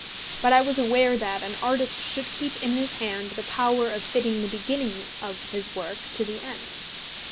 But I was aware that an artist should keep in his hand the power of fitting the beginning of his work to the end.